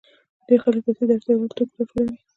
ډېر خلک پیسې د اړتیا وړ توکو لپاره راټولوي